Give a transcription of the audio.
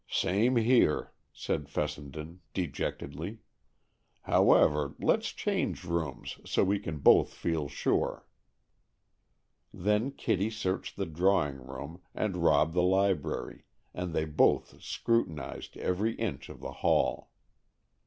"Same here," said Fessenden dejectedly. "However, let's change rooms, so we can both feel sure." Then Kitty searched the drawing room, and Rob the library, and they both scrutinized every inch of the hall.